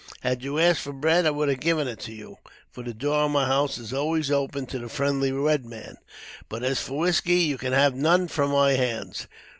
Had you asked for bread, I would have given it to you, for the door of my house is always open to the friendly red man; but, as for whisky, you can have none from my hands.